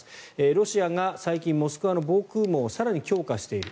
ロシアが最近モスクワの防空網を更に強化している。